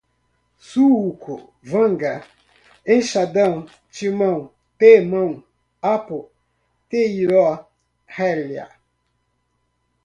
sulco, vanga, enxadão, timão, temão, apo, teiró, relha